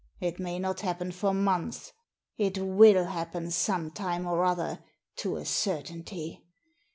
It may not happen for months. It will happen some time or other, to a certainty.